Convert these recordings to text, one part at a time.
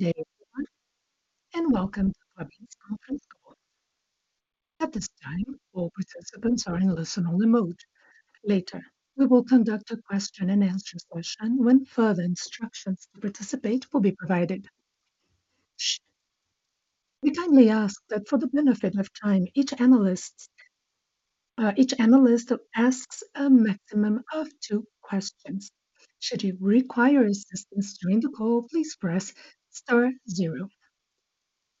Good day everyone, and welcome to Klabin's conference call. At this time, all participants are in listen-only mode. Later, we will conduct a question-and-answer session when further instructions to participate will be provided. We kindly ask that for the benefit of time, each analyst, each analyst asks a maximum of two questions. Should you require assistance during the call, please press star zero.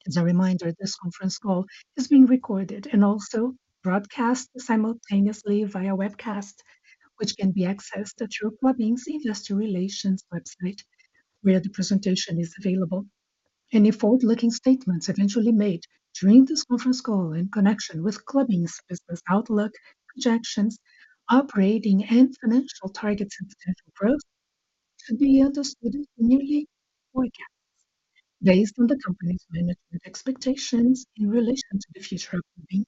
As a reminder, this conference call is being recorded and also broadcast simultaneously via webcast, which can be accessed through Klabin's Industrial Relations website, where the presentation is available. Any forward-looking statements eventually made during this conference call in connection with Klabin's business outlook, projections, operating and financial targets and potential growth should be understood as merely forecasts based on the company's management expectations in relation to the future of Klabin.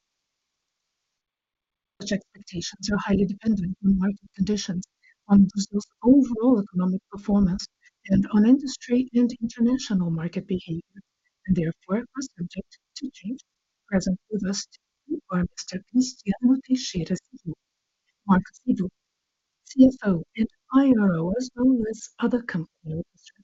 Such expectations are highly dependent on market conditions, on Brazil's overall economic performance and on industry and international market behavior, and therefore are subject to change. Present with us today are Mr. Cristiano Teixeira Silva, Marcos Ivo, CFO and IRO, as well as other company officers.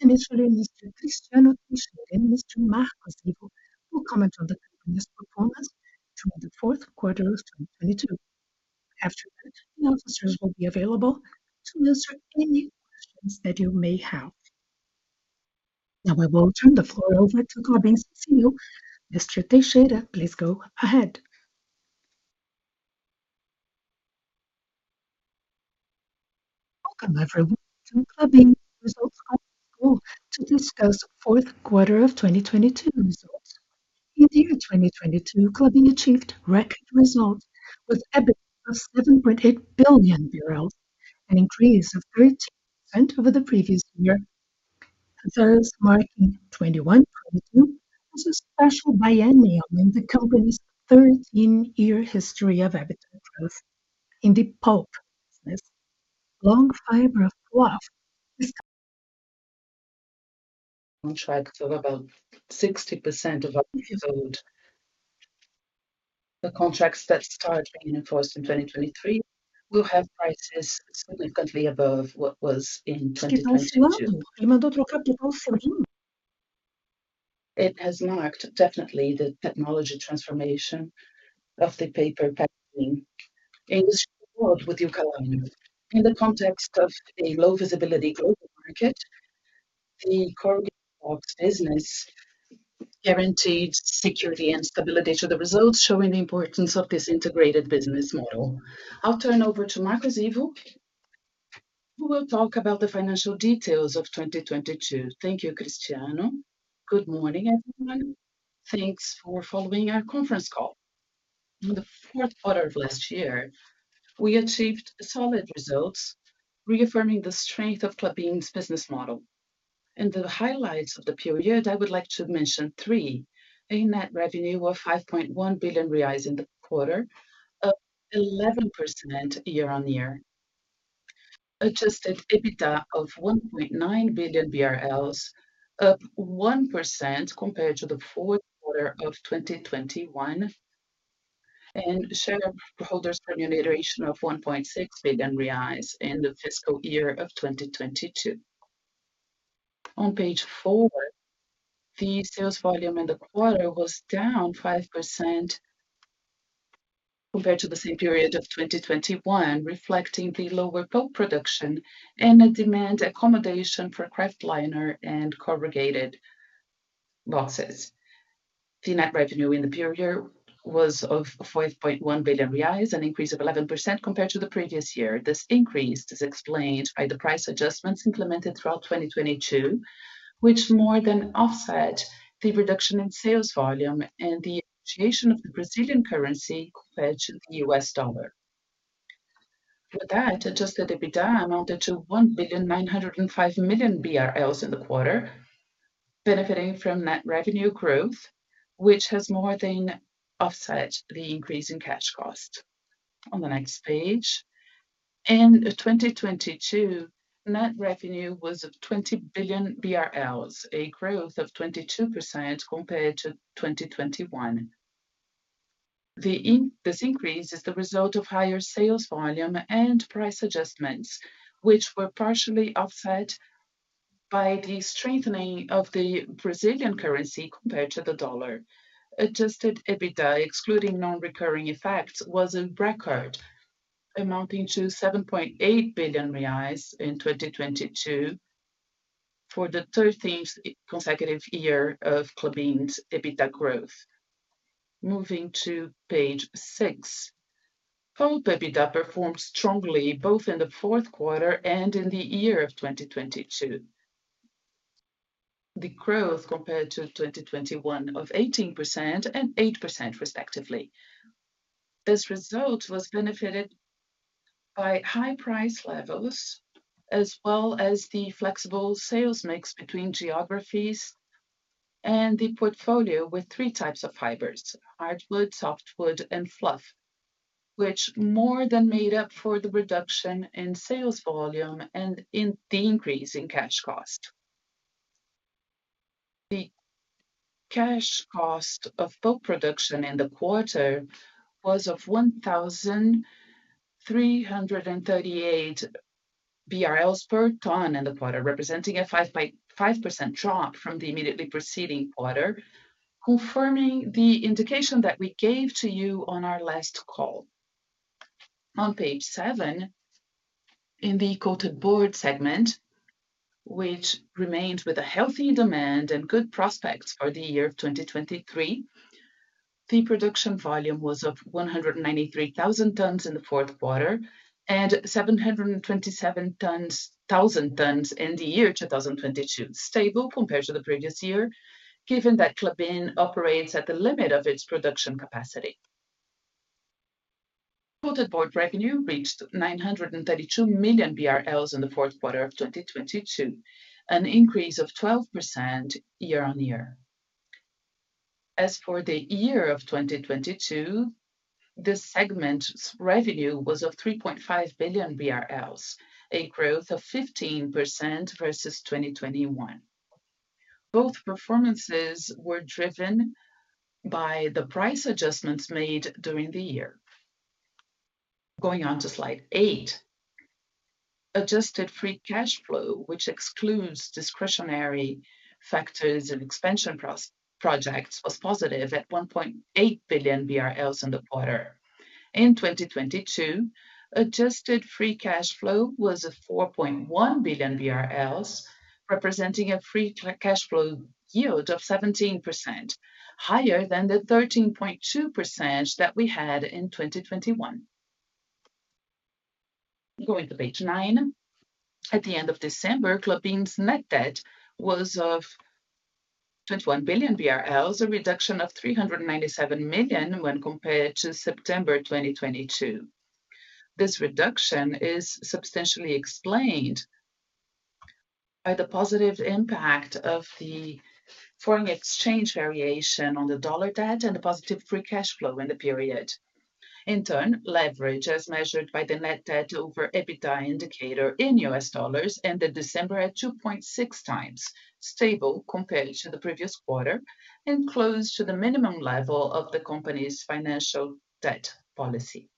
Initially, Mr. Cristiano Teixeira and Mr. Marcos Ivo will comment on the company's performance through the Q4 of 2022. After that, the officers will be available to answer any questions that you may have. I will turn the floor over to Klabin's CEO, Mr. Teixeira. Please go ahead. Welcome, everyone, to Klabin's results conference call to discuss Q4 of 2022 results. In the year 2022, Klabin achieved record results with EBITDA of BRL 7.8 billion, an increase of 32% over the previous year. Thus marking 2021 was a special biennium in the company's 13-year history of EBITDA growth. In the pulp business, long fiber fluff Contracts of about 60% of The contracts that started being enforced in 2023 will have prices significantly above what was in 2022. It has marked definitely the technology transformation of the paper packaging industry with Eukaliner. In the context of a low visibility global market, the corrugated box business guaranteed security and stability to the results, showing the importance of this integrated business model. I'll turn over to Marcos Ivo, who will talk about the financial details of 2022. Thank you, Cristiano. Good morning, everyone. Thanks for following our conference call. In the Q4 of last year, we achieved solid results, reaffirming the strength of Klabin's business model. In the highlights of the period, I would like to mention three. A net revenue of 5.1 billion reais in the quarter, up 11% year-on-year. Adjusted EBITDA of 1.9 billion BRL, up 1% compared to the Q4 of 2021. Shareholders' remuneration of 1.6 billion reais in the fiscal year of 2022. On page four, the sales volume in the quarter was down 5% compared to the same period of 2021, reflecting the lower pulp production and a demand accommodation for kraftliner and corrugated boxes. The net revenue in the period was of 5.1 billion reais, an increase of 11% compared to the previous year. This increase is explained by the price adjustments implemented throughout 2022, which more than offset the reduction in sales volume and the appreciation of the Brazilian currency compared to the US dollar. Adjusted EBITDA amounted to 1.905 billion BRL in the quarter, benefiting from net revenue growth, which has more than offset the increase in cash cost. On the next page. In 2022, net revenue was of 20 billion BRL, a growth of 22% compared to 2021. This increase is the result of higher sales volume and price adjustments, which were partially offset by the strengthening of the Brazilian currency compared to the dollar. Adjusted EBITDA, excluding non-recurring effects, was a record amounting to R$7.8 billion in 2022 for the 13th consecutive year of Klabin's EBITDA growth. Moving to page six. Pulp EBITDA performed strongly both in the Q4 and in the year of 2022. The growth compared to 2021 of 18% and 8% respectively. This result was benefited by high price levels as well as the flexible sales mix between geographies and the portfolio with three types of fibers, hardwood, softwood, and fluff, which more than made up for the reduction in sales volume and in the increase in cash cost. The cash cost of pulp production in the quarter was of 1,338 BRL per ton in the quarter, representing a 5.5% drop from the immediately preceding quarter, confirming the indication that we gave to you on our last call. On page seven, in the coated board segment, which remained with a healthy demand and good prospects for the year of 2023, the production volume was of 193,000 tons in the Q4 and 727 thousand tons in the year 2022. Stable compared to the previous year, given that Klabin operates at the limit of its production capacity. Coated board revenue reached 932 million BRL in the Q4 of 2022, an increase of 12% year-on-year. As for the year of 2022, the segment's revenue was of 3.5 billion BRL, a growth of 15% versus 2021. Both performances were driven by the price adjustments made during the year. Going on to slide 8. Adjusted free cash flow, which excludes discretionary factors and expansion projects, was positive at 1.8 billion BRL in the quarter. In 2022, adjusted free cash flow was a 4.1 billion BRL, representing a free cash flow yield of 17%, higher than the 13.2% that we had in 2021. Going to page nine. At the end of December, Klabin's net debt was of 21 billion BRL, a reduction of 397 million when compared to September 2022. This reduction is substantially explained by the positive impact of the foreign exchange variation on the US dollar debt and the positive free cash flow in the period. Leverage, as measured by the net debt over EBITDA indicator in US dollars, ended December at 2.6x, stable compared to the previous quarter and close to the minimum level of the company's financial debt policy.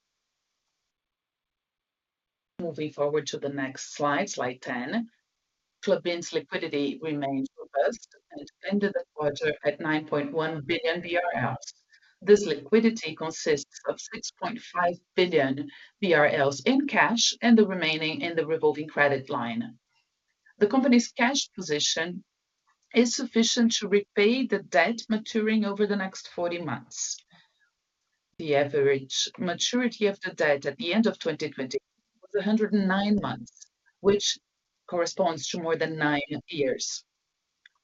Moving forward to the next slide 10. Klabin's liquidity remains robust, it ended the quarter at 9.1 billion BRL. This liquidity consists of 6.5 billion BRL in cash and the remaining in the revolving credit line. The company's cash position is sufficient to repay the debt maturing over the next 40 months. The average maturity of the debt at the end of 2020 was 109 months, which corresponds to more than nine years.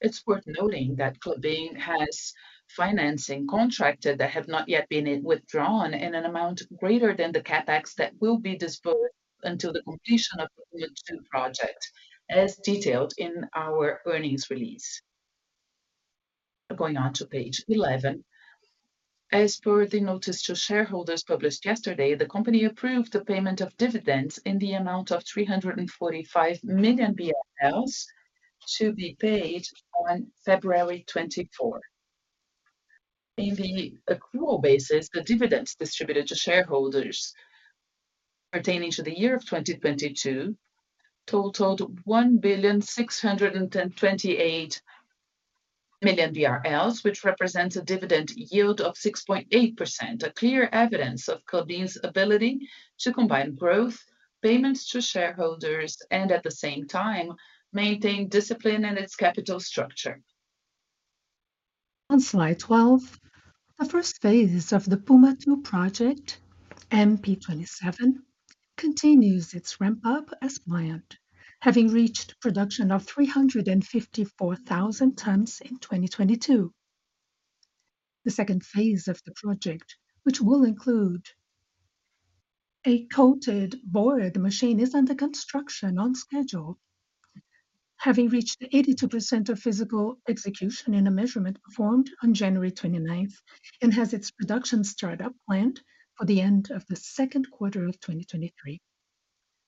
It's worth noting that Klabin has financing contracted that have not yet been withdrawn in an amount greater than the CapEx that will be disbursed until the completion of the Puma II Project, as detailed in our earnings release. Going on to page 11. As per the notice to shareholders published yesterday, the company approved the payment of dividends in the amount of 345 million BRL to be paid on February 24. In the accrual basis, the dividends distributed to shareholders pertaining to the year of 2022 totaled 1,610.28 million BRL, which represents a dividend yield of 6.8%, a clear evidence of Klabin's ability to combine growth, payments to shareholders, and at the same time, maintain discipline in its capital structure. On slide 12, the first Phases of the Puma II Project, MP27, continues its ramp up as planned, having reached production of 354,000 tons in 2022. The second Phase of the project, which will include a coated board machine, is under construction on schedule, having reached 82% of physical execution in a measurement performed on January 29th and has its production startup planned for the end of 2Q 2023.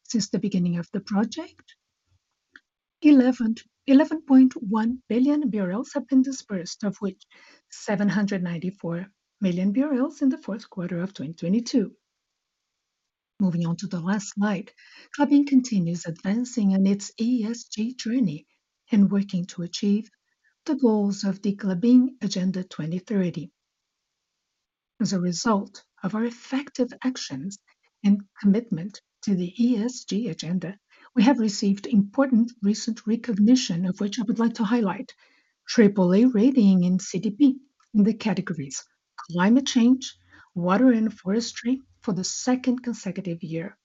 Since the beginning of the project, 11.1 billion BRLs have been disbursed, of which 794 million BRL in the 4Q 2022. Moving on to the last slide. Klabin continues advancing in its ESG journey and working to achieve the goals of the Klabin 2030 Agenda. As a result of our effective actions and commitment to the ESG agenda, we have received important recent recognition, of which I would like to highlight. Triple A rating in CDP in the categories Climate Change, Water and Forestry for the second consecutive year.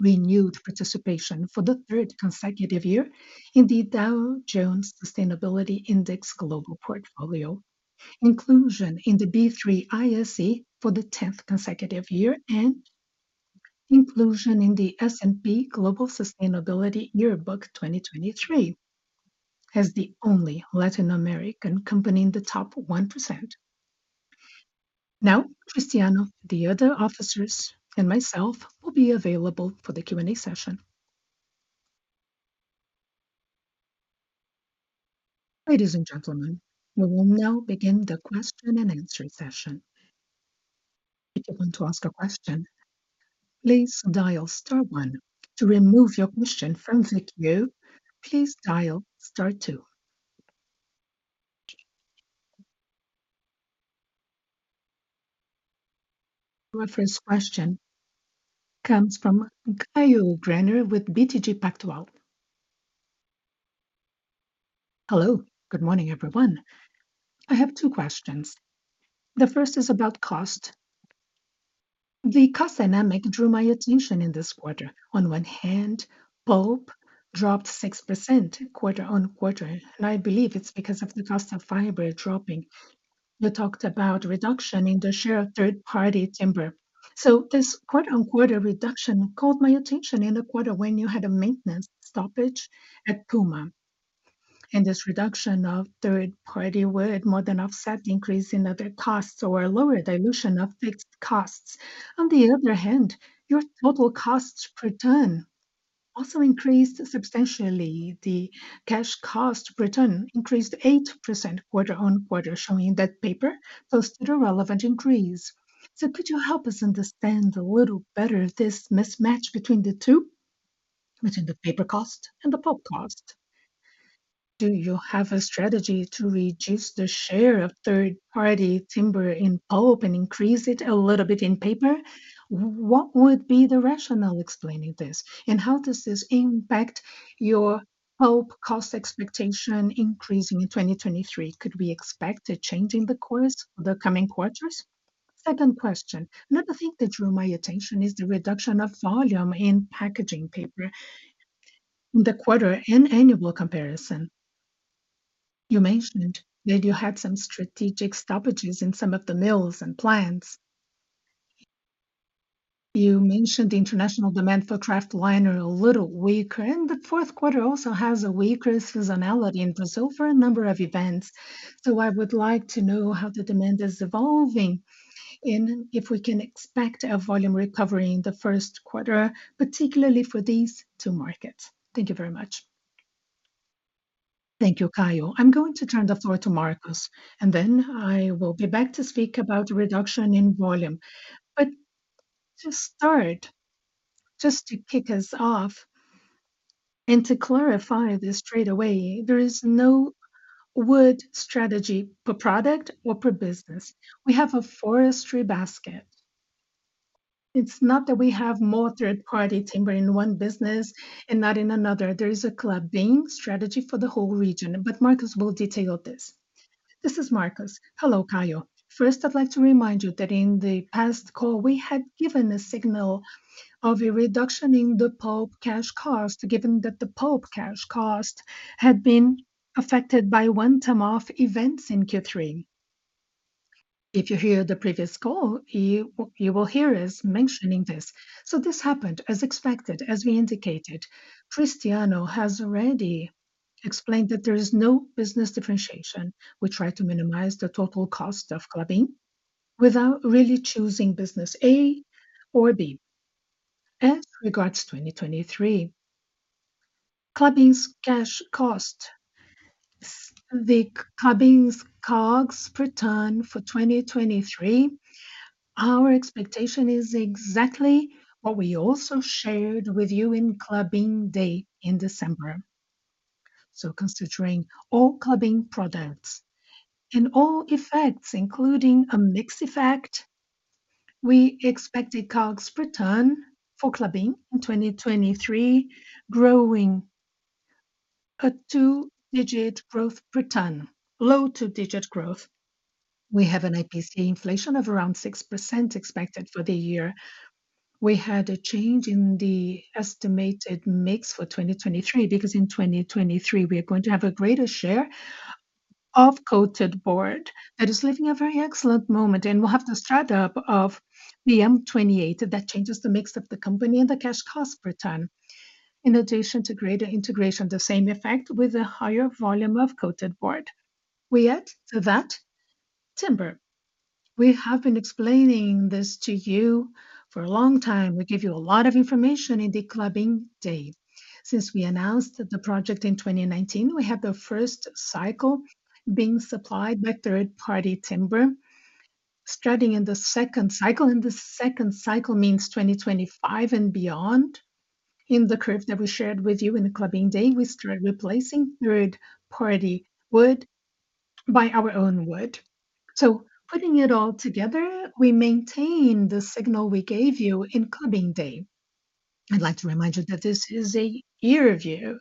Renewed participation for the third consecutive year in the Dow Jones Sustainability Index Global Portfolio. Inclusion in the B3 ISE for the 10th consecutive year. Inclusion in the S&P Global Sustainability Yearbook 2023 as the only Latin American company in the top 1%. Cristiano, the other officers, and myself will be available for the Q&A session. Ladies and gentlemen, we will now begin the question and answer session. If you want to ask a question, please dial star one. To remove your question from the queue, please dial star two. Our first question comes from Caio Greiner with BTG Pactual. Hello, good morning, everyone. I have two questions. The first is about cost. The cost dynamic drew my attention in this quarter. On one hand, pulp dropped 6% quarter-on-quarter. I believe it's because of the cost of fiber dropping. You talked about reduction in the share of third-party timber. This quarter-on-quarter reduction caught my attention in the quarter when you had a maintenance stoppage at Puma. This reduction of third-party wood more than offset the increase in other costs or lower dilution of fixed costs. On the other hand, your total costs per ton also increased substantially. The cash cost per ton increased 8% quarter-on-quarter, showing that paper posted a relevant increase. Could you help us understand a little better this mismatch between the two, between the paper cost and the pulp cost? Do you have a strategy to reduce the share of third-party timber in pulp and increase it a little bit in paper? What would be the rationale explaining this? How does this impact your pulp cost expectation increasing in 2023? Could we expect a change in the course for the coming quarters? Second question. Another thing that drew my attention is the reduction of volume in packaging paper in the quarter and annual comparison. You mentioned that you had some strategic stoppages in some of the mills and plants. You mentioned the international demand for kraftliner a little weaker, and the Q4 also has a weaker seasonality in Brazil for a number of events. I would like to know how the demand is evolving and if we can expect a volume recovery in the Q1, particularly for these two markets. Thank you very much. Thank you, Caio. I'm going to turn the floor to Marcos, then I will be back to speak about reduction in volume. To start, just to kick us off and to clarify this straight away, there is no wood strategy per product or per business. We have a forestry basket. It's not that we have more third-party timber in one business and not in another. There is a Klabin strategy for the whole region, Marcos will detail this. This is Marcos. Hello, Caio. First, I'd like to remind you that in the past call, we had given a signal of a reduction in the pulp cash cost, given that the pulp cash cost had been affected by one-time off events in Q3. If you hear the previous call, you will hear us mentioning this. This happened as expected, as we indicated. Cristiano has already explained that there is no business differentiation. We try to minimize the total cost of Klabin without really choosing business A or B. As regards to 2023, Klabin's COGS per ton for 2023, our expectation is exactly what we also shared with you in Klabin Day in December. Considering all Klabin products and all effects, including a mix effect, we expect the COGS per ton for Klabin in 2023 growing a 2-digit growth per ton, low 2-digit growth. We have an IPCA inflation of around 6% expected for the year. We had a change in the estimated mix for 2023, because in 2023, we are going to have a greater share of coated board that is living a very excellent moment. We'll have the start up of the MP28 that changes the mix of the company and the cash cost per ton. In addition to greater integration, the same effect with a higher volume of coated board. We add to that timber. We have been explaining this to you for a long time. We give you a lot of information in the Klabin Day. Since we announced the project in 2019, we have the first cycle being supplied by third-party timber. Starting in the second cycle, and the second cycle means 2025 and beyond. In the curve that we shared with you in the Klabin Day, we start replacing third-party wood by our own wood. Putting it all together, we maintain the signal we gave you in Klabin Day. I'd like to remind you that this is a year view.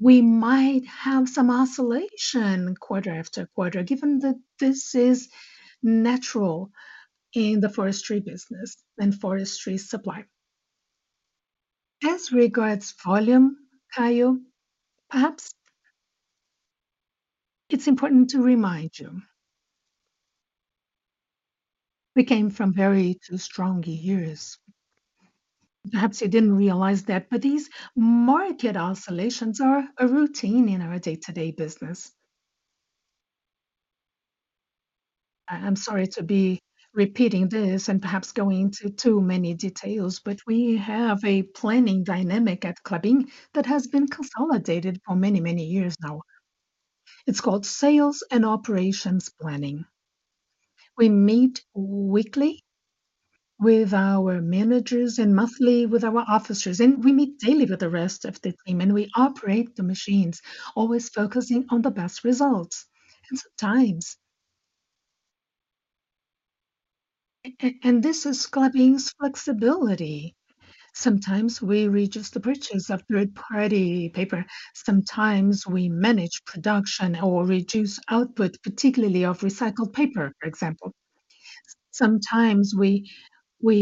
We might have some oscillation quarter after quarter, given that this is natural in the forestry business and forestry supply. As regards volume, Caio, perhaps it's important to remind you. We came from very strong years. These market oscillations are a routine in our day-to-day business. I'm sorry to be repeating this and perhaps going into too many details. We have a planning dynamic at Klabin that has been consolidated for many, many years now. It's called sales and operations planning. We meet weekly with our managers and monthly with our officers, and we meet daily with the rest of the team, and we operate the machines, always focusing on the best results. Sometimes. This is Klabin's flexibility. Sometimes we reduce the purchase of third-party paper. Sometimes we manage production or reduce output, particularly of recycled paper, for example. Sometimes we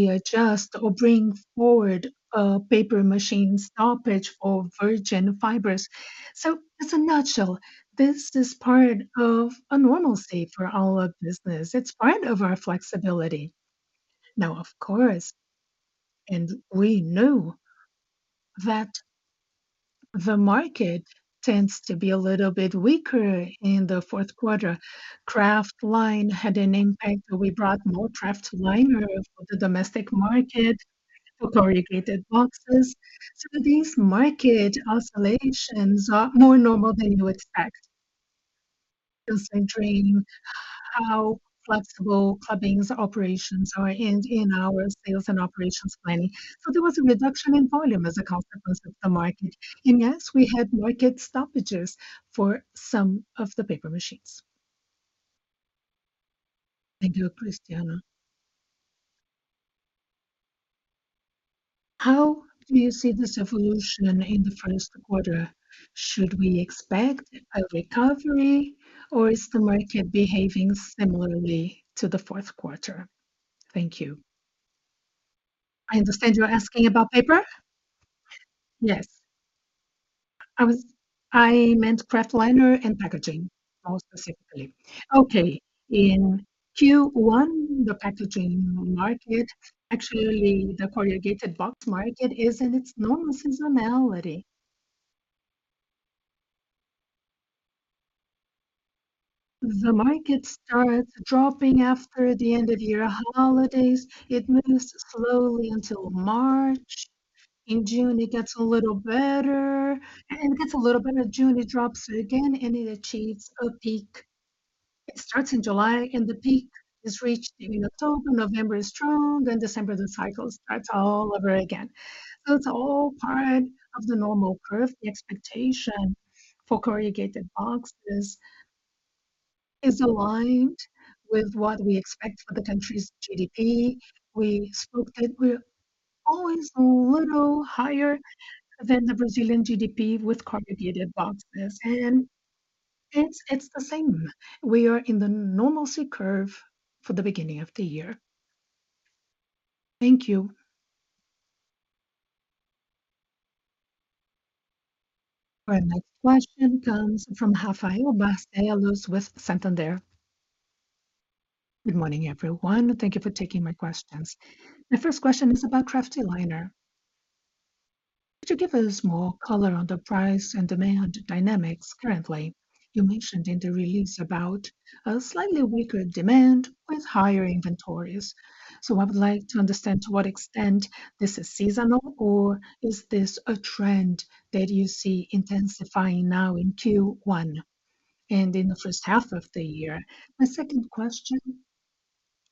adjust or bring forward a paper machine stoppage of virgin fibers. As a nutshell, this is part of a normalcy for all of business. It's part of our flexibility. Now, of course, we know that the market tends to be a little bit weaker in the Q4. Kraftliner had an impact, so we brought more kraftliner for the domestic market for corrugated boxes. These market oscillations are more normal than you expect, illustrating how flexible Klabin's operations are and in our sales and operations planning. There was a reduction in volume as a consequence of the market. Yes, we had market stoppages for some of the paper machines. Thank you, Cristiano. How do you see this evolution in the Q1? Should we expect a recovery or is the market behaving similarly to the Q4? Thank you. I understand you're asking about paper. Yes. I meant kraftliner and packaging more specifically. In Q1, the packaging market, actually the corrugated box market is in its normal seasonality. The market starts dropping after the end of year holidays. It moves slowly until March. In June, it gets a little better. End of June, it drops again, and it achieves a peak. It starts in July, and the peak is reached in October. November is strong, then December, the cycle starts all over again. It's all part of the normal curve. The expectation for corrugated boxes is aligned with what we expect for the country's GDP. We spoke that we're always a little higher than the Brazilian GDP with corrugated boxes, and it's the same. We are in the normalcy curve for the beginning of the year. Thank you. Our next question comes from Rafael Barcellos with Santander. Good morning, everyone, and thank you for taking my questions. My first question is about kraftliner. Could you give us more color on the price and demand dynamics currently? You mentioned in the release about a slightly weaker demand with higher inventories. I would like to understand to what extent this is seasonal or is this a trend that you see intensifying now in Q1 and in the first half of the year. My second question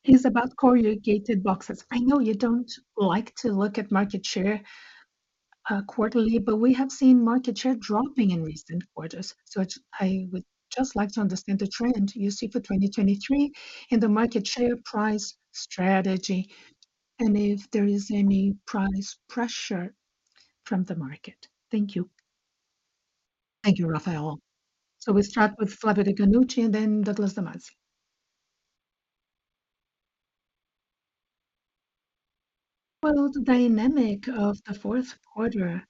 is about corrugated boxes. I know you don't like to look at market share, quarterly, but we have seen market share dropping in recent quarters. I would just like to understand the trend you see for 2023 and the market share price strategy, and if there is any price pressure from the market. Thank you. Thank you, Rafael. We start with Flavio Deganutti and then Douglas Dalmasi. The dynamic of the Q4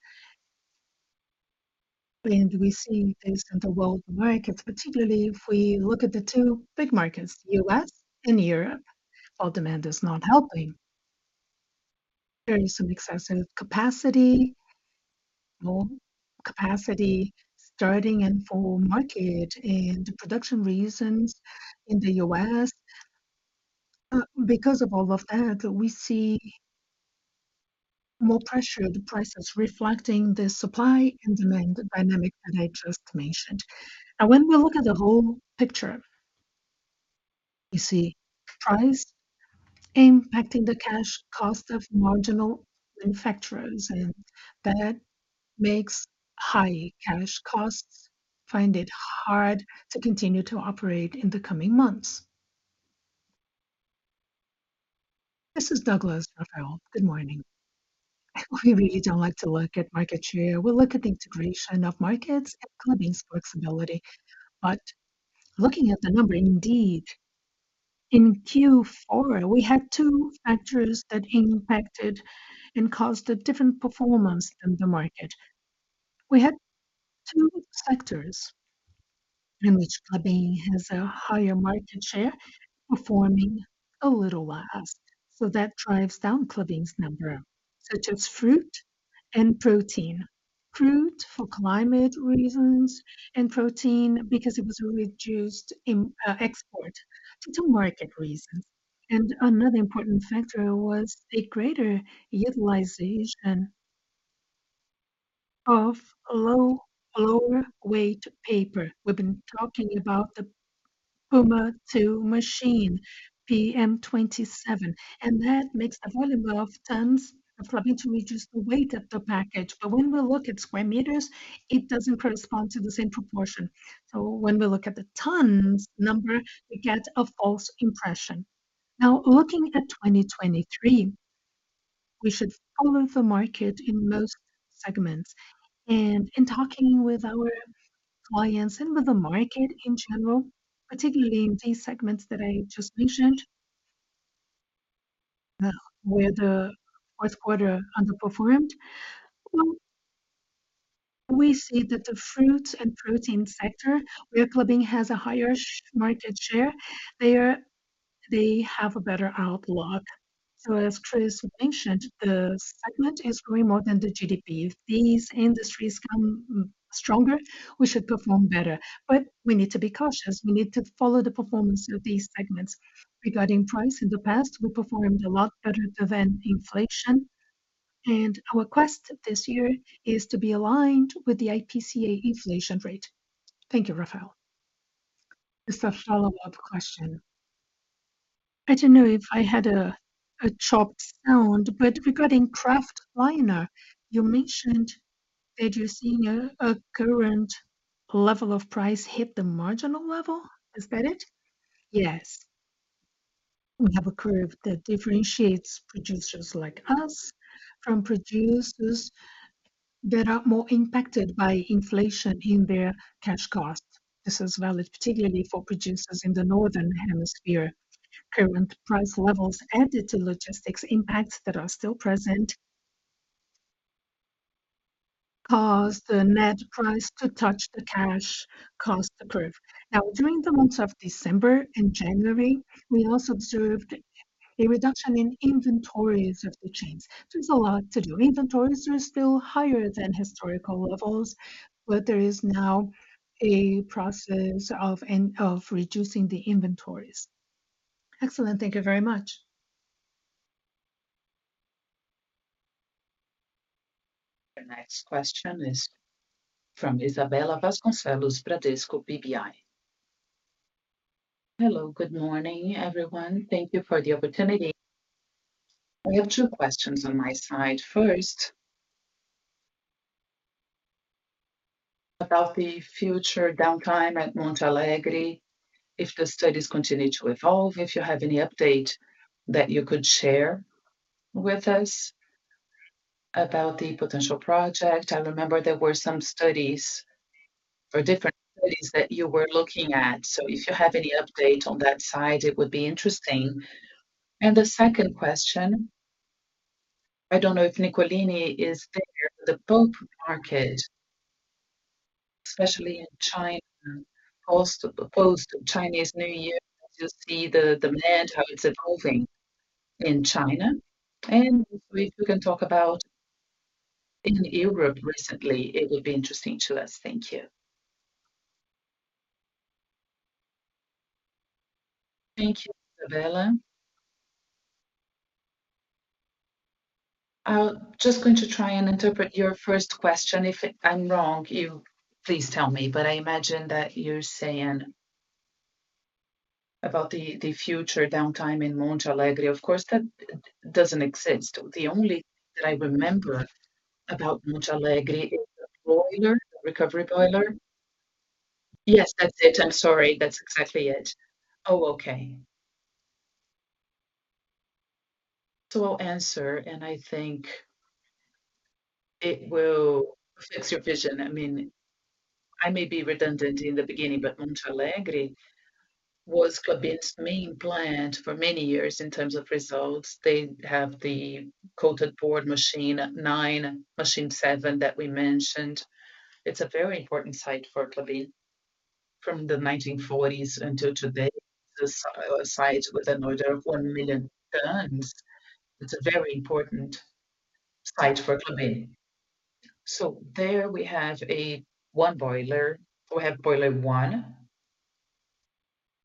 and we see things in the world markets, particularly if we look at the two big markets, U.S. and Europe, while demand is not helping. There is some excess in capacity, more capacity starting in full market and production reasons in the U.S. Because of all of that, we see more pressure, the prices reflecting the supply and demand dynamic that I just mentioned. When we look at the whole picture, we see price impacting the cash cost of marginal manufacturers, and that makes high cash costs find it hard to continue to operate in the coming months. This is Douglas Dalmasi, Rafael Barcellos. Good morning. We really don't like to look at market share. We look at the integration of markets and Klabin's flexibility. Looking at the number. In Q4, we had two factors that impacted and caused a different performance than the market. We had two sectors in which Klabin has a higher market share performing a little less, so that drives down Klabin's number, such as fruit and protein. Fruit for climate reasons, and protein because it was reduced in export to market reasons. Another important factor was a greater utilization of low, lower weight paper. We've been talking about the Puma II machine, PM27, and that makes the volume of tons for me to reduce the weight of the package. When we look at square meters, it doesn't correspond to the same proportion. When we look at the tons number, we get a false impression. Now, looking at 2023, we should follow the market in most segments. In talking with our clients and with the market in general, particularly in these segments that I just mentioned, where the 4th quarter underperformed, we see that the fruit and protein sector, where Klabin has a higher market share, they have a better outlook. As Chris mentioned, the segment is growing more than the GDP. If these industries come stronger, we should perform better. We need to be cautious. We need to follow the performance of these segments. Regarding price, in the past, we performed a lot better than inflation, and our quest this year is to be aligned with the IPCA inflation rate. Thank you, Rafael. Just a follow-up question. I don't know if I had a chopped sound, but regarding kraftliner, you mentioned that you're seeing a current level of price hit the marginal level. Is that it? Yes. We have a curve that differentiates producers like us from producers that are more impacted by inflation in their cash cost. This is valid particularly for producers in the Northern Hemisphere. Current price levels added to logistics impacts that are still present caused the net price to touch the cash cost curve. During the months of December and January, we also observed a reduction in inventories of the chains. There's a lot to do. Inventories are still higher than historical levels, but there is now a process of reducing the inventories. Excellent. Thank you very much. The next question is from Isabella Vasconcelos, Bradesco BBI. Hello, good morning, everyone. Thank you for the opportunity. I have two questions on my side. First, about the future downtime at Monte Alegre, if the studies continue to evolve, if you have any update that you could share with us about the potential project. I remember there were some studies or different studies that you were looking at. If you have any update on that side, it would be interesting. The second question, I don't know if Nicolini is there, the pulp market, especially in China, post-Chinese New Year. Do you see the demand, how it's evolving in China? If we can talk about in Europe recently, it would be interesting to us. Thank you. Isabella. I'm just going to try and interpret your first question. If I'm wrong, you please tell me, but I imagine that you're saying about the future downtime in Monte Alegre. Of course, that doesn't exist. The only that I remember about Monte Alegre is the recovery boiler. Yes, that's it. I'm sorry. That's exactly it. Okay. I'll answer, and I think it will fix your vision. I mean, I may be redundant in the beginning, but Monte Alegre was Klabin's main plant for many years in terms of results. They have the coated board Machine No. 9, PM 7 that we mentioned. It's a very important site for Klabin. From the 1940s until today, the site with an order of 1 million tons, it's a very important site for Klabin. There we have a 1 boiler. We have boiler one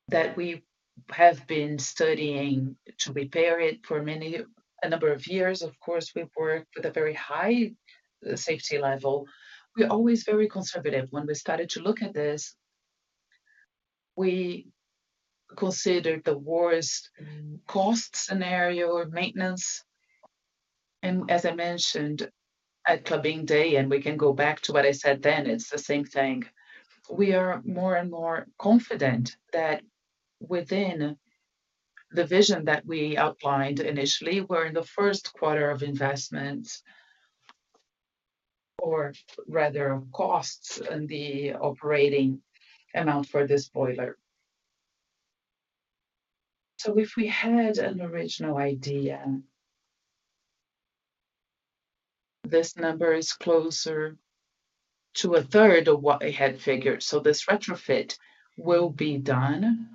that we have been studying to repair it for many, a number of years. Of course, we've worked with a very high safety level. We're always very conservative. When we started to look at this, we considered the worst cost scenario or maintenance. As I mentioned at Klabin Day, and we can go back to what I said then, it's the same thing. We are more and more confident that within the vision that we outlined initially, we're in the Q1 of investment or rather costs and the operating amount for this boiler. If we had an original idea, this number is closer to a third of what I had figured. This retrofit will be done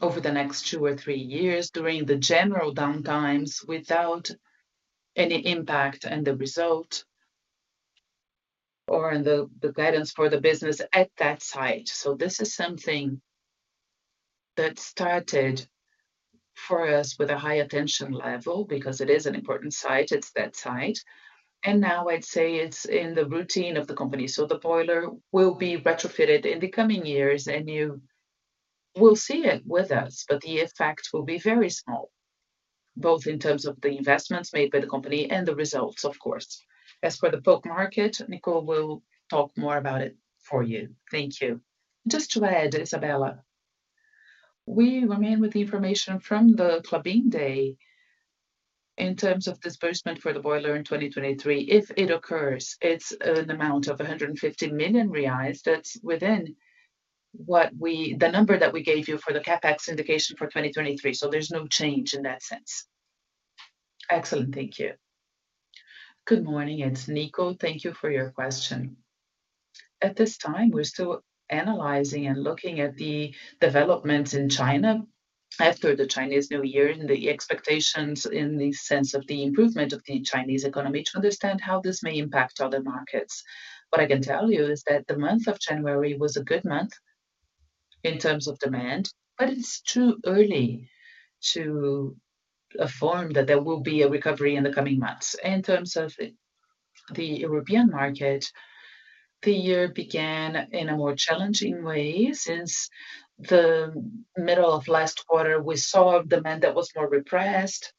over the next two or three years during the general downtimes without any impact and the result or in the guidance for the business at that site. This is something that started for us with a high attention level because it is an important site, it's that site. Now I'd say it's in the routine of the company. The boiler will be retrofitted in the coming years, and you will see it with us, but the effect will be very small, both in terms of the investments made by the company and the results, of course. As for the pulp market, Nico will talk more about it for you. Thank you. Just to add, Isabella, we remain with the information from the Klabin Day in terms of disbursement for the boiler in 2023. If it occurs, it's an amount of 150 million reais. That's within the number that we gave you for the CapEx indication for 2023, so there's no change in that sense. Excellent. Thank you. Good morning. It's Nico. Thank you for your question. At this time, we're still analyzing and looking at the developments in China after the Chinese New Year and the expectations in the sense of the improvement of the Chinese economy to understand how this may impact other markets. What I can tell you is that the month of January was a good month in terms of demand, but it's too early to affirm that there will be a recovery in the coming months. In terms of the European market, the year began in a more challenging way. Since the middle of last quarter, we saw demand that was more repressed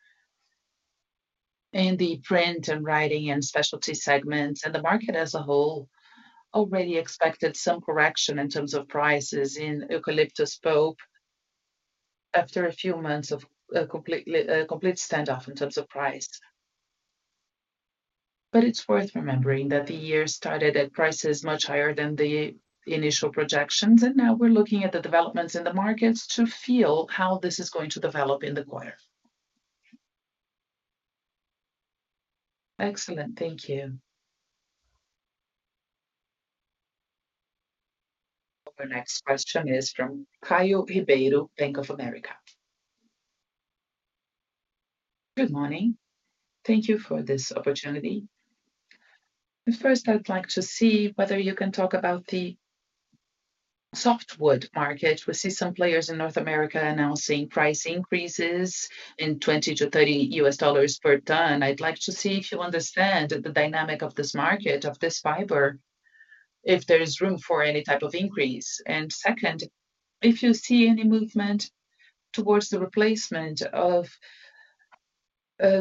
in the print and writing and specialty segments. The market as a whole already expected some correction in terms of prices in eucalyptus pulp after a few months of a complete standoff in terms of price. It's worth remembering that the year started at prices much higher than the initial projections, and now we're looking at the developments in the markets to feel how this is going to develop in the quarter. Excellent. Thank you. Our next question is from Caio Ribeiro, Bank of America. Good morning. Thank you for this opportunity. First, I'd like to see whether you can talk about the softwood market. We see some players in North America announcing price increases in $20-$30 per ton. I'd like to see if you understand the dynamic of this market, of this fiber, if there is room for any type of increase. Second, if you see any movement towards the replacement of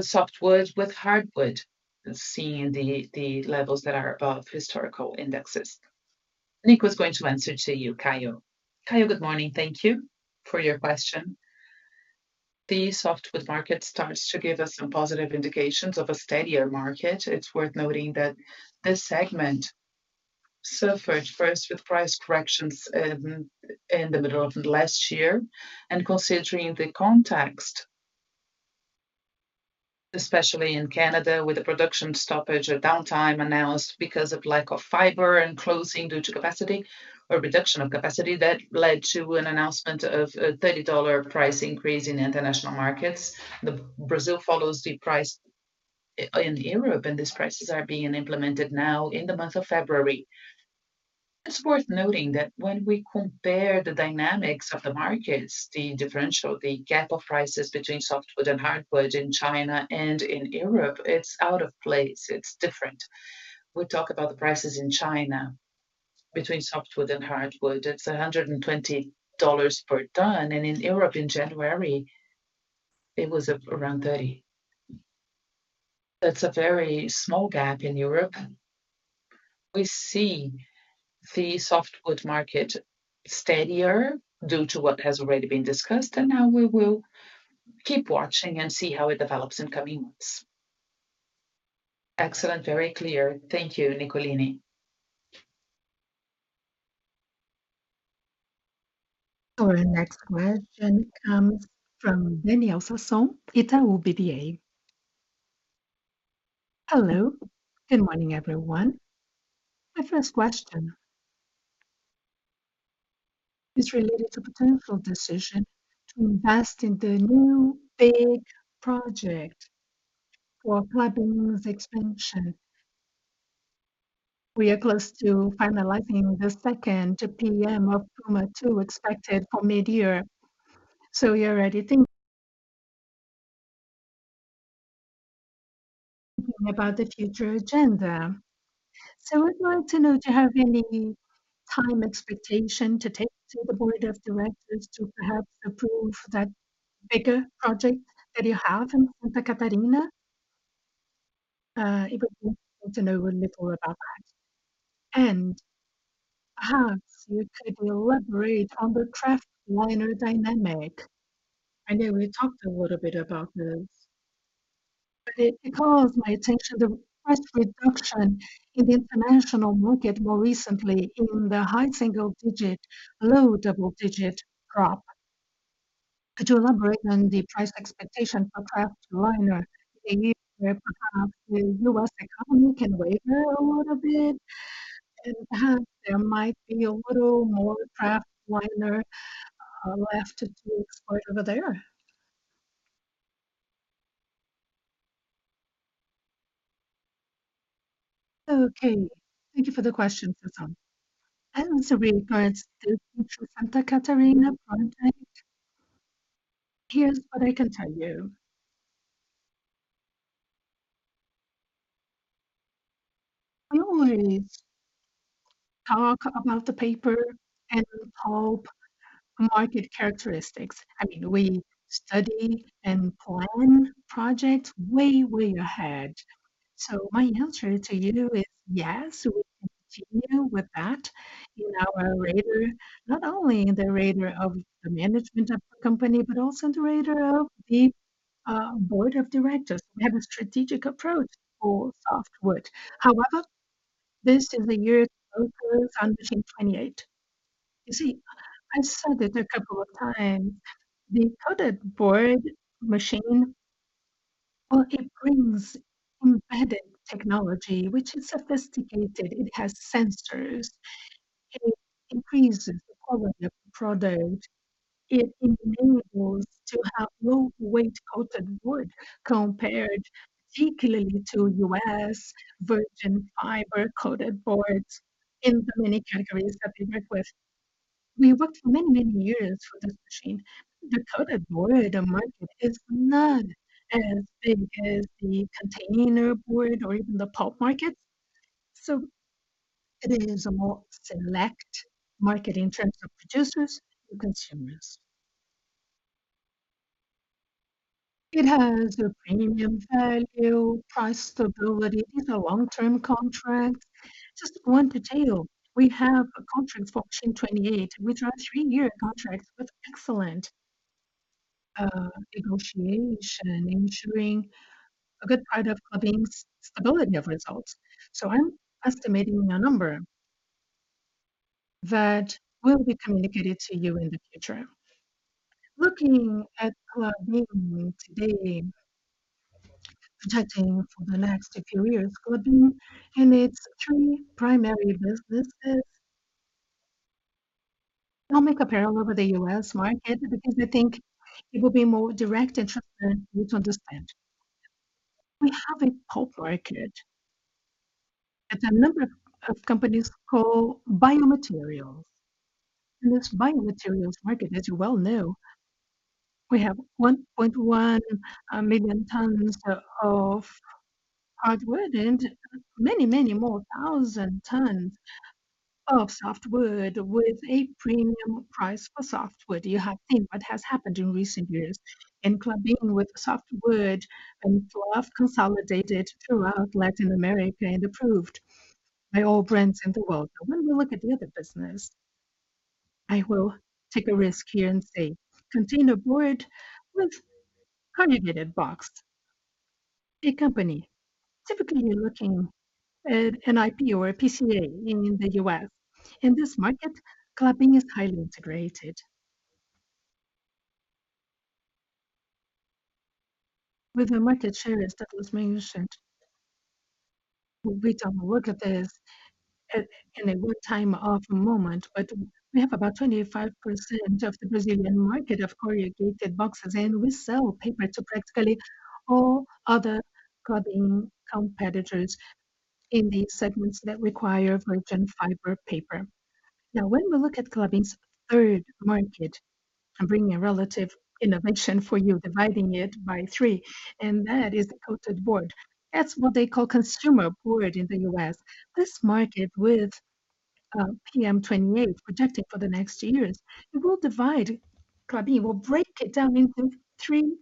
softwood with hardwood, seeing the levels that are above historical indexes. Nico is going to answer to you, Caio good morning. Thank you for your question. The softwood market starts to give us some positive indications of a steadier market. It's worth noting that this segment suffered first with price corrections in the middle of last year. Considering the context, especially in Canada, with the production stoppage or downtime announced because of lack of fiber and closing due to capacity or reduction of capacity, that led to an announcement of a $30 price increase in international markets. Brazil follows the price in Europe. These prices are being implemented now in the month of February. It's worth noting that when we compare the dynamics of the markets, the differential, the gap of prices between softwood and hardwood in China and in Europe, it's out of place. It's different. We talk about the prices in China between softwood and hardwood, it's $120 per ton. In Europe in January, it was around 30. That's a very small gap in Europe. We see the softwood market steadier due to what has already been discussed, and now we will keep watching and see how it develops in coming months. Excellent. Very clear. Thank you, Nicolini. Our next question comes from Daniel Sasson, Itaú BBA. Hello. Good morning, everyone. My first question is related to potential decision to invest in the new big project for Klabin's expansion. We are close to finalizing the second PM of Puma II expected for mid-year. We are already about the future agenda. I'd like to know, do you have any time expectation to take to the board of directors to perhaps approve that bigger project that you have in Santa Catarina? I would like to know a little about that. Perhaps you could elaborate on the kraftliner dynamic. It caught my attention, the price reduction in the international market more recently in the high single-digit, low double-digit drop. Could you elaborate on the price expectation for kraftliner in a year where perhaps the U.S. economy can waver a little bit? Perhaps there might be a little more kraftliner left to export over there. Thank you for the question, Sasson. I am serene regards to the Santa Catarina project. Here's what I can tell you. We always talk about the paper and pulp market characteristics. I mean, we study and plan projects way ahead. My answer to you is yes, we continue with that in our radar. Not only in the radar of the management of the company, but also in the radar of the board of directors. We have a strategic approach for softwood. This is the year to focus on Machine 28. You see, I said it a couple of times, the coated board machine, well, it brings embedded technology which is sophisticated. It has sensors. It increases the quality of the product. It enables to have low weight coated board compared particularly to U.S. virgin fiber coated board in the many categories that you request. We worked many, many years for this machine. The coated board market is not as big as the containerboard or even the pulp market. It is a more select market in terms of producers and consumers. It has a premium value, price stability. These are long-term contracts. Just one detail, we have a contract for machine 28, which are 3-year contracts with excellent negotiation, ensuring a good part of Klabin's stability of results. I'm estimating a number that will be communicated to you in the future. Looking at Klabin today, protecting for the next few years, Klabin in its three primary businesses. I'll make a parallel with the U.S. market because I think it will be more direct and transparent for you to understand. We have a pulp market at a number of companies called biomaterials. In this biomaterials market, as you well know, we have 1.1 million tons of hardwood and many more thousand tons of softwood with a premium price for softwood. You have seen what has happened in recent years in Klabin with softwood and full of consolidated throughout Latin America and approved by all brands in the world. When we look at the other business, I will take a risk here and say containerboard with corrugated box. A company, typically you're looking at an IP or a PCA in the U.S. In this market, Klabin is highly integrated. With a market share that was mentioned, we don't work at this, in a good time of moment, but we have about 25% of the Brazilian market of corrugated boxes, and we sell paper to practically all other Klabin competitors in the segments that require virgin fiber paper. When we look at Klabin's third market, I'm bringing a relative innovation for you, dividing it by three, and that is the coated board. That's what they call consumer board in the U.S. This market with, PM28 protecting for the next years, it will divide. Klabin will break it down into three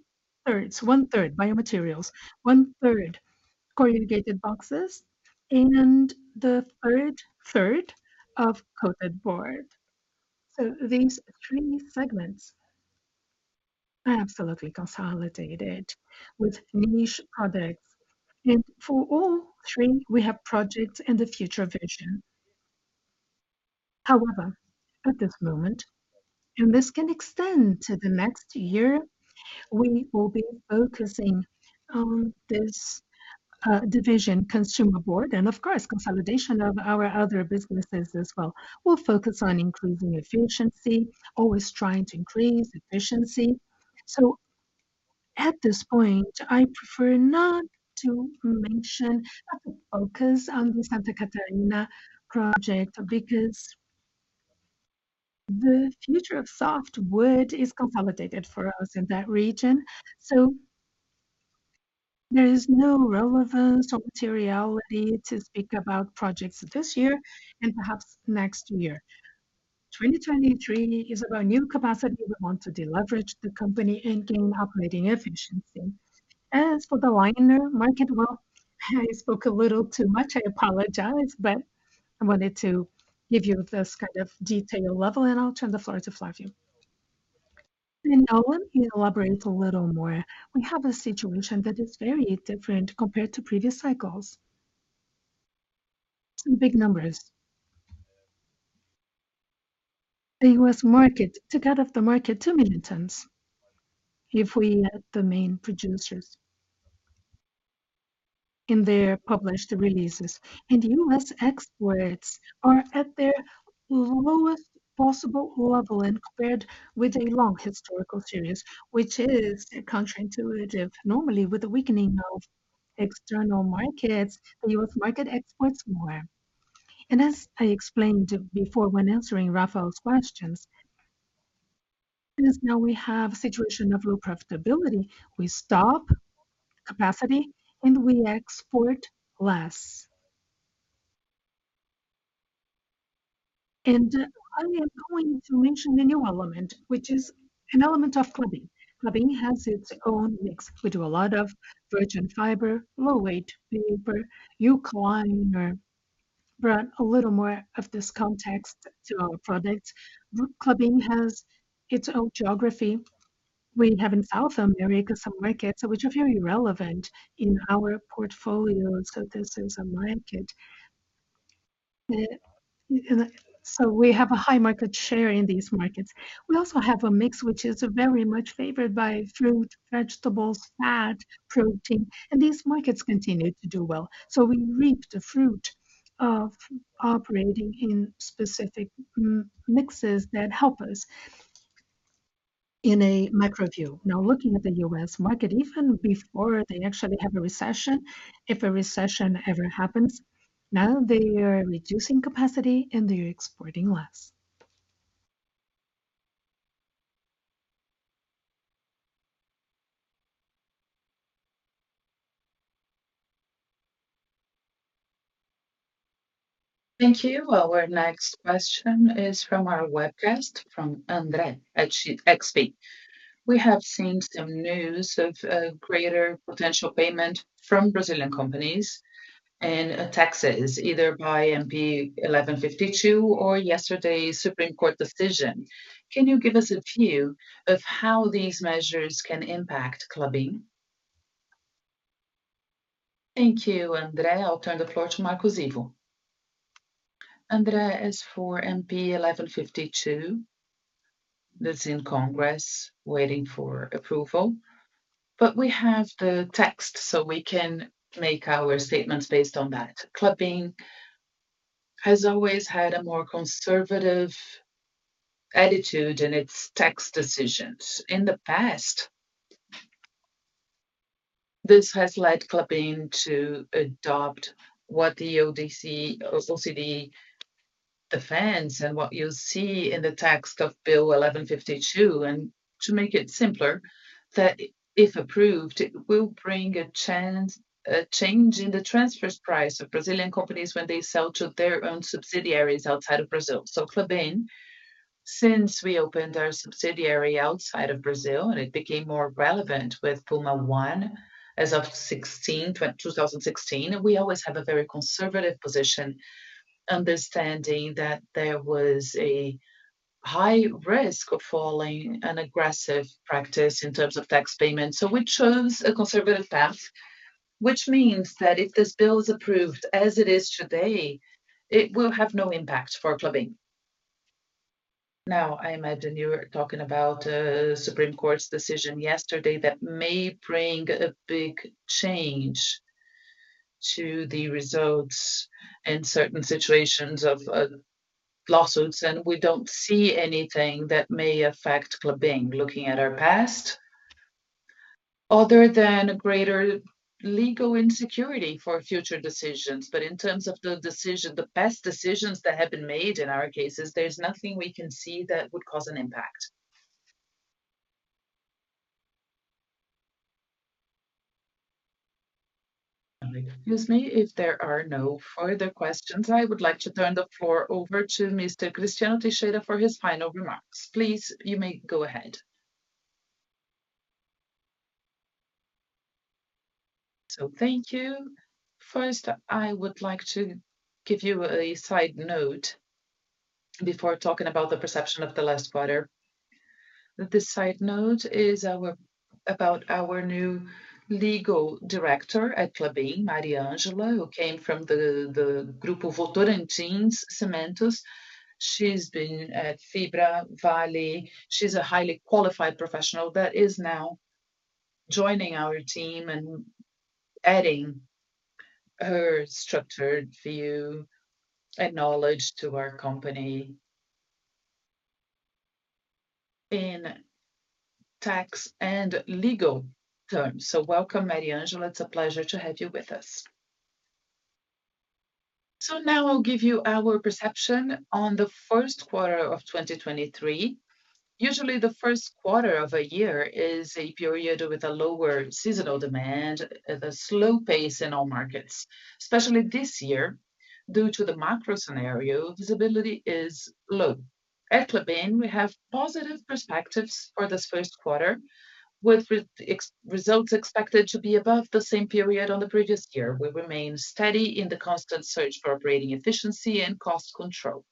thirds. One third biomaterials, one third corrugated boxes, and the third third of coated board. These three segments are absolutely consolidated with niche products. For all three, we have projects and a future vision. At this moment, and this can extend to the next year, we will be focusing on this division consumer board and of course, consolidation of our other businesses as well. We'll focus on increasing efficiency, always trying to increase efficiency. At this point, I prefer not to mention, not to focus on the Santa Catarina project because the future of softwood is consolidated for us in that region. There is no relevance or materiality to speak about projects this year and perhaps next year. 2023 is about new capacity. We want to deleverage the company and gain operating efficiency. As for the liner market, well, I spoke a little too much, I apologize, but I wanted to give you this kind of detailed level, and I'll turn the floor to Flavio. Now let me elaborate a little more. We have a situation that is very different compared to previous cycles. Some big numbers. The U.S. market took out of the market 2 million tons if we add the main producers in their published releases. U.S. exports are at their lowest possible level and compared with a long historical series, which is counterintuitive. Normally, with the weakening of external markets, the U.S. market exports more. As I explained before when answering Rafael's questions, because now we have a situation of low profitability, we stop capacity and we export less. I am going to mention a new element, which is an element of Klabin. Klabin has its own mix. We do a lot of virgin fiber, low weight paper, new liner. Brought a little more of this context to our products. Klabin has its own geography. We have in South America some markets which are very relevant in our portfolio. This is a market. We have a high market share in these markets. We also have a mix which is very much favored by fruit, vegetables, fat, protein, and these markets continue to do well. We reap the fruit of operating in specific mixes that help us in a macro view. Looking at the U.S. market, even before they actually have a recession, if a recession ever happens, now they are reducing capacity and they're exporting less. Thank you. Our next question is from our webcast from Andre at XP Investimentos. We have seen some news of greater potential payment from Brazilian companies and taxes either by MP 1152 or yesterday's Supreme Court decision. Can you give us a view of how these measures can impact Klabin? Thank you, Andre. I'll turn the floor to Marcos Ivo. Andre, as for MP 1152, that's in Congress waiting for approval. But we have the text, so we can make our statements based on that. Klabin has always had a more conservative attitude in its tax decisions. In the past, this has led Klabin to adopt what the OECD defends and what you'll see in the text of MP 1152. To make it simpler, that if approved, it will bring a change in the transfers price of Brazilian companies when they sell to their own subsidiaries outside of Brazil. Klabin, since we opened our subsidiary outside of Brazil, and it became more relevant with Puma One as of 2016, we always have a very conservative position, understanding that there was a high risk of falling an aggressive practice in terms of tax payments. We chose a conservative path, which means that if this bill is approved as it is today, it will have no impact for Klabin. Now, I imagine you are talking about Supreme Court's decision yesterday that may bring a big change to the results in certain situations of lawsuits. We don't see anything that may affect Klabin looking at our past other than a greater legal insecurity for future decisions. In terms of the decision, the past decisions that have been made in our cases, there's nothing we can see that would cause an impact. Excuse me. If there are no further questions, I would like to turn the floor over to Mr. Cristiano Teixeira for his final remarks. Please, you may go ahead. Thank you. First, I would like to give you a side note before talking about the perception of the last quarter. The side note is about our new legal director at Klabin, Mariangela, who came from the Grupo Votorantim Cimentos. She's been at Fibria, Vale. She's a highly qualified professional that is now joining our team and adding her structured view and knowledge to our company in tax and legal terms. Welcome, Mariangela. It's a pleasure to have you with us. Now I'll give you our perception on the Q1 of 2023. Usually, the Q1 of a year is a period with a lower seasonal demand and a slow pace in all markets. Especially this year, due to the macro scenario, visibility is low. At Klabin, we have positive perspectives for this Q1, with results expected to be above the same period on the previous year. We remain steady in the constant search for operating efficiency and cost control.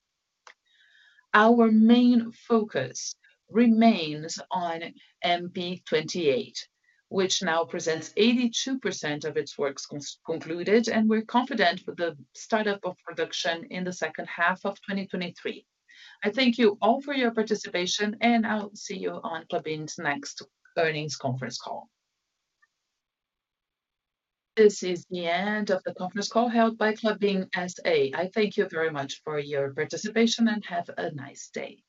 Our main focus remains on MP28, which now presents 82% of its works concluded, and we're confident with the startup of production in the second half of 2023. I thank you all for your participation, and I'll see you on Klabin's next earnings conference call. This is the end of the conference call held by Klabin S.A. I thank you very much for your participation, and have a nice day.